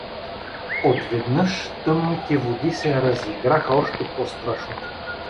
Отведнъж тъмните води се разиграха още по-страшно.